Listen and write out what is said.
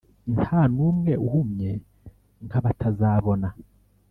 ntanumwe uhumye nkabatazabona